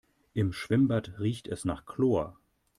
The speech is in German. Im Schwimmbad riecht es nach Chlor.